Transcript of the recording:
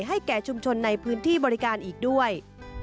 ให้แก่ชุมชนในพื้นที่บริการอีกด้วย